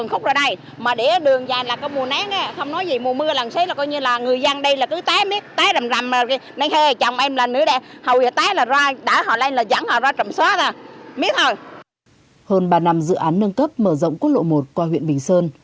hơn ba năm dự án nâng cấp mở rộng quốc lộ một qua huyện bình sơn